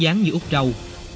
giống như úc râu